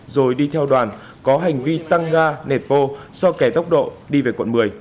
rồi đi theo đoàn có hành vi tăng ga nẹt bô do kẻ tốc độ đi về quận một mươi